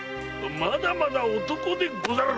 まだまだ男でござる！